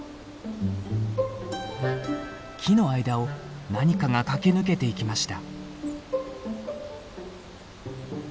木の間を何かが駆け抜けていきました。